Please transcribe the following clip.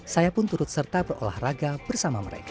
saya pun turut serta berolahraga bersama mereka